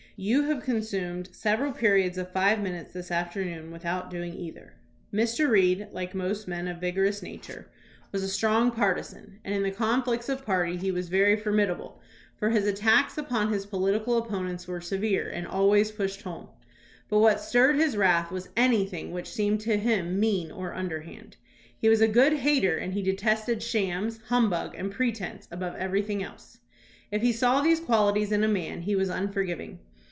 You have consumed several periods of five minutes this afternoon without doing either." Mr. Reed, like most men of vigorous nature, was a 200 THOMAS BRACKETT REED strong partisan, and in the conflicts of party he was very formidable, for his attacks upon his poHtical op ponents were severe and always pushed home. But what stirred his wrath was anything which seemed to him mean or underhand. He was a good hater and he detested shams, humbug, and pretence above everything else. If he saw these quahties in a man, he was un forgiving.